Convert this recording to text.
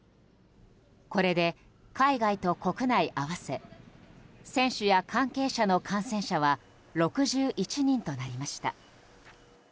これで海外と国内合わせ選手や関係者の感染者は６１人となりました。